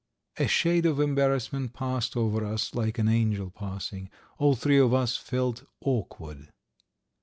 A shade of embarrassment passed over us like an angel passing; all three of us felt awkward.